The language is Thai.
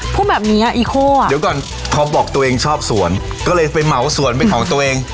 พูดแบบเนี้ยอีโคอ่ะเดี๋ยวก่อนพอบอกตัวเองชอบสวนก็เลยไปเหมาสวนเป็นของตัวเอง